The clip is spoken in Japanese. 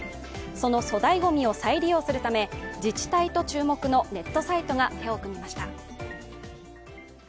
その粗大ごみを再利用するため、自治体と注目のネットサイトが手を組みました。